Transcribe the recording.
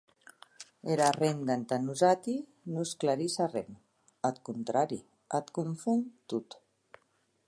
Era renda, entà nosati, non esclarís arren; ath contrari, ac confon tot.